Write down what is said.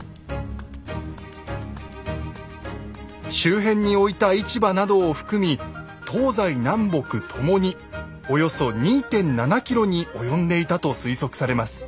周辺に置いた市場などを含み東西南北ともにおよそ２．７ｋｍに及んでいたと推測されます。